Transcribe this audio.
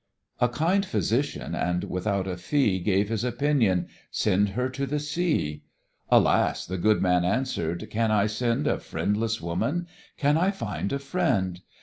A kind physician, and without a fee, Gave his opinion "Send her to the sea." "Alas!" the good man answer'd, "can I send A friendless woman? Can I find a friend?